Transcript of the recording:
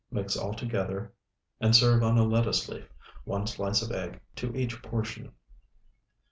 Mix all together and serve on a lettuce leaf; one slice of egg to each portion.